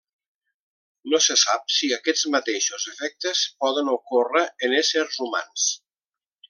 No se sap si aquests mateixos efectes poden ocórrer en éssers humans.